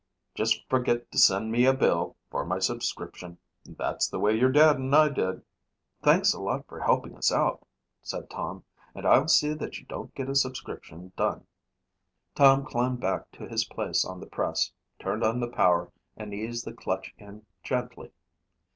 "Just forget to send me a bill for my subscription. That's the way your Dad and I did." "Thanks a lot for helping us out," said Tom, "and I'll see that you don't get a subscription dun." Tom climbed back to his place on the press, turned on the power and eased the clutch in gently.